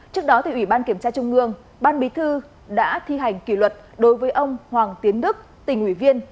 trước đó ủy ban kiểm tra trung ương ban bí thư đã thi hành kỷ luật đối với ông hoàng tiến đức tỉnh ủy viên